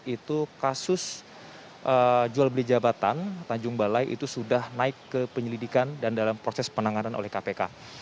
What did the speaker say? itu kasus jual beli jabatan tanjung balai itu sudah naik ke penyelidikan dan dalam proses penanganan oleh kpk